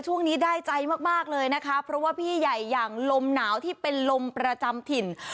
ช่วงนี้ได้ใจมากมากเลยนะคะเพราะว่าพี่ใหญ่อย่างลมหนาวที่เป็นลมประจำถิ่น